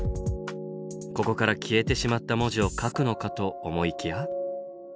ここから消えてしまった文字を書くのかと思いきや。